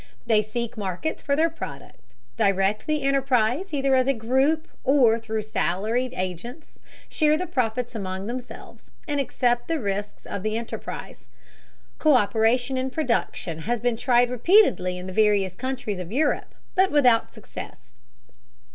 They seek markets for their product, direct the enterprise either as a group or through salaried agents, share the profits among themselves, and accept the risks of the enterprise. Co÷peration in production has been tried repeatedly in the various countries of Europe, but without success.